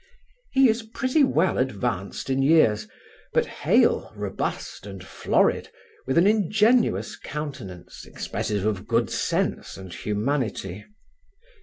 He is pretty well advanced in years, but hale, robust, and florid, with an ingenuous countenance, expressive of good sense and humanity.